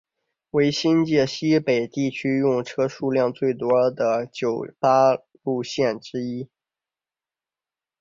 为新界西北地区用车数量最多的九巴路线之一。